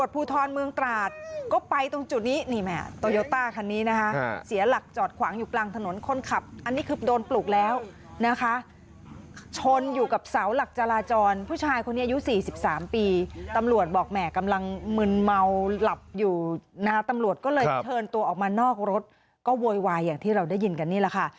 เป็นเทินตัวออกมานอกรถก็โวยวายอย่างที่เราได้ยินกันนี่แหละค่ะ